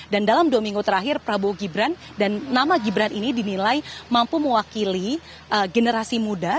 dan dalam dua minggu terakhir prabowo gibran dan nama gibran ini dinilai mampu mewakili generasi muda